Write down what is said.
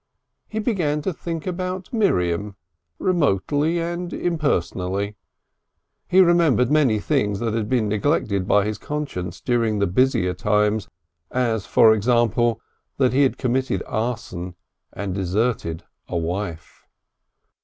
He began to think about Miriam, remotely and impersonally. He remembered many things that had been neglected by his conscience during the busier times, as, for example, that he had committed arson and deserted a wife.